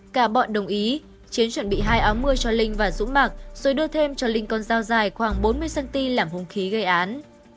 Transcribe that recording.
cả bọn đồng ý chiến chuẩn bị hai áo mưa cho linh và dũng mặc rồi đưa thêm cho linh con dao dài khoảng bốn mươi cm làm hung khí gây án